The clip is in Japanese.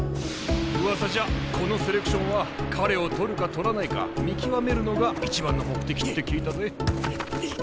うわさじゃこのセレクションは彼を獲るか獲らないか見極めるのが一番の目的って聞いたぜ。